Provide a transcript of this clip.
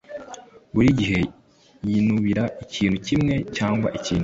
Buri gihe yinubira ikintu kimwe cyangwa ikindi